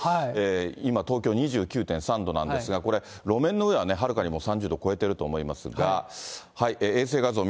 今、東京２９．３度なんですが、これ、路面の上はね、はるかにもう３０度を超えてると思いますが。